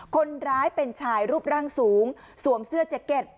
คนร้ายเป็นชายรูปร่างสูงสวมเสื้อแจ็คเก็ต